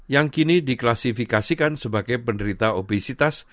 yang kini diklasifikasikan sebagai penderita obesitas